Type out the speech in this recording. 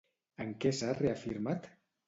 En què s'ha reafirmat?